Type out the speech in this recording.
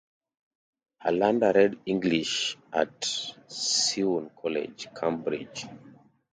Hollander read English at Selwyn College, Cambridge.